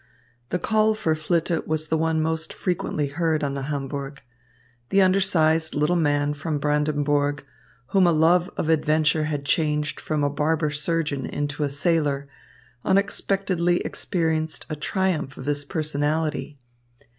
The call for Flitte was the one most frequently heard on the Hamburg. The undersized little man from Brandenburg, whom a love of adventure had changed from a barber surgeon into a sailor, unexpectedly experienced a triumph of his personality.